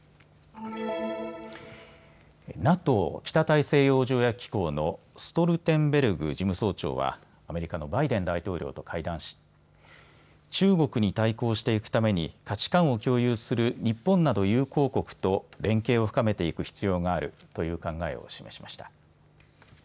ＮＡＴＯ・北大西洋条約機構のストルテンベルグ事務総長はアメリカのバイデン大統領と会談し、中国に対抗していくために価値観を共有する日本など友好国と連携を深めていく必要があるという考えを示しました。